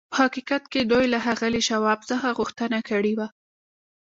په حقیقت کې دوی له ښاغلي شواب څخه غوښتنه کړې وه